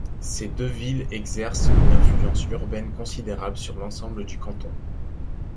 Ces deux villes exercent une influence urbaine considérable sur l'ensemble du canton.